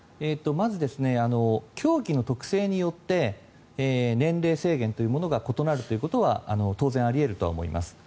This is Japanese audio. まず競技の特性によって年齢制限というものが異なるということは当然、あり得るとは思います。